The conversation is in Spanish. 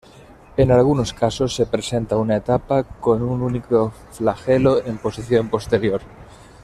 En algunos casos se presenta una etapa con un único flagelo en posición posterior.